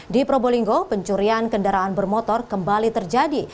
di probolinggo pencurian kendaraan bermotor kembali terjadi